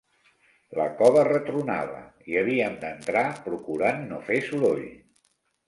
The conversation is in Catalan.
La cova retronava; hi havíem d'entrar procurant no fer soroll.